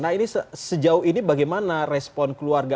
nah ini sejauh ini bagaimana respon keluarga